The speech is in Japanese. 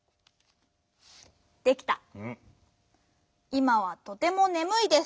「いまはとてもねむいです」